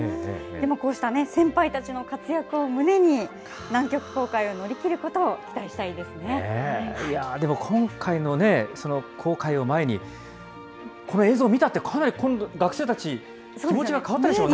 こうした先輩たちの活躍を胸に、南極航海を乗り切ることを期待しでも今回の航海を前に、この映像を見たって、かなり学生たち、気持ちが変わったでしょうね。